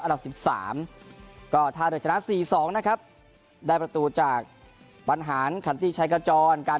อันดับ๑๓ก็ท่าเรือชนะใส่ที่๒นะครับ